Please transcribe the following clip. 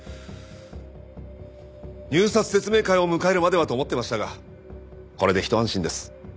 入札説明会を迎えるまではと思ってましたがこれでひと安心です。